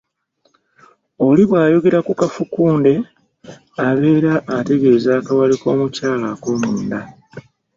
Oli bw’ayogera ku kafukunde abeera ategeeza akawale k’omukyala akoomunda.